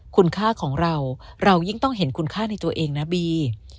คุณค่าของเราเรายิ่งต้องเห็นคุณค่าในตัวเองนะบี